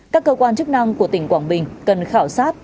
các cơ quan chức năng của tỉnh quảng bình cần khảo sát